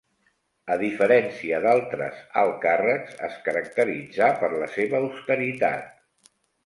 A diferència d'altres alt càrrecs, es caracteritzà per la seva austeritat.